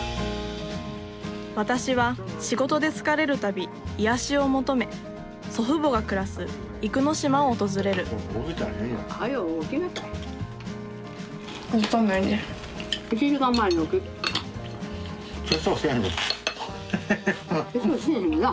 私は仕事で疲れる度癒やしを求め祖父母が暮らす生野島を訪れる化粧せえへんな。